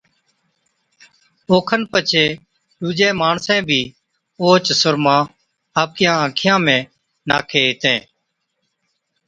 اوکن پڇي ڏُوجين ماڻسين بِي اوھچ سُرما آپڪِيان آنکِيان ۾ ناکين ھِتين